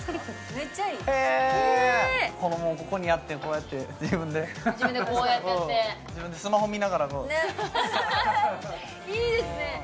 めっちゃいいこれもここにあってこうやって自分で自分でこうやってやって自分でスマホ見ながらこういいですね